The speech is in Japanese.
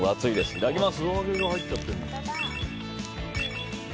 いただきます！